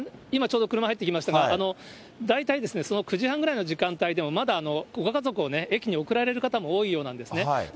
今、ちょうど車が入ってきましたが、大体、９時半ぐらいの時間帯って、まだご家族を駅に送られる方も多いようなんですね。